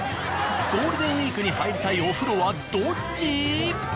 ゴールデンウィークに入りたいお風呂はどっち？